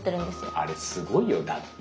あれすごいよだって。